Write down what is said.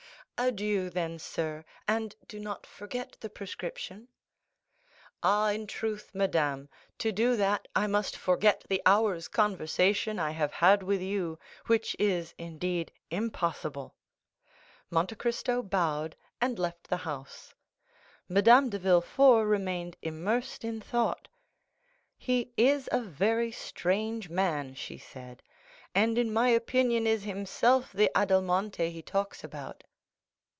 "Adieu, then, sir, and do not forget the prescription." "Ah, in truth, madame, to do that I must forget the hour's conversation I have had with you, which is indeed impossible." Monte Cristo bowed, and left the house. Madame de Villefort remained immersed in thought. "He is a very strange man," she said, "and in my opinion is himself the Adelmonte he talks about."